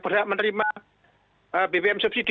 berhak menerima bbm subsidi